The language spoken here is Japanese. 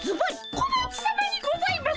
小町さまにございます！